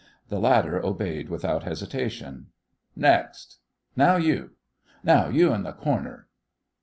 The latter obeyed without hesitation. "Next. Now you. Now you in th' corner."